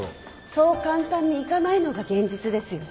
そう簡単にいかないのが現実ですよ。